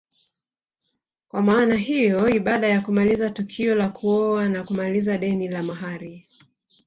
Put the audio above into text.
Kwa maana hiyo baada ya kumaliza tukio la kuoa na kumaliza deni la mahari